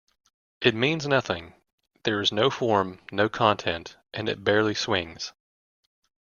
It means nothing; there is no form, no content, and it barely swings.